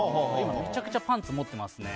めちゃくちゃパンツ持ってますね。